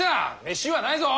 飯はないぞ！